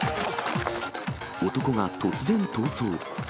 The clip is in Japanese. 男が突然逃走。